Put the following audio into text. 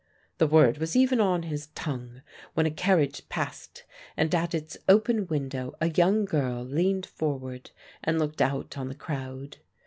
The word was even on his tongue when a carriage passed and at its open window a young girl leaned forward and looked out on the crowd.